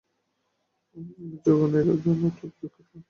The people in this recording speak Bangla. আমি যোগেনের জন্য অত্যন্ত দুঃখিত।